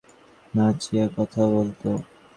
তার উর্ধতন দের সাথেও চোখ নাচিয়ে কথা বলত।